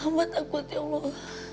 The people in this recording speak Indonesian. abah takut ya allah